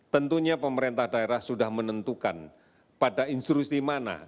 tentunya pemerintah daerah sudah menentukan pada instruksi mana